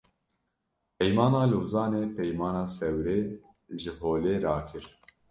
Peymana Lozanê, Peymana Sewrê ji holê rakir